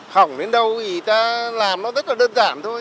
hỏng đến đâu thì ta làm nó rất là đơn giản thôi